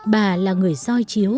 bà là người soi chiếu